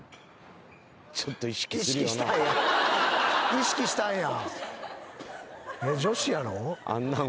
意識したんや。